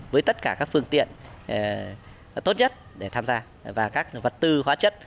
với tất cả các phương tiện tốt nhất để tham gia và các vật tư hóa chất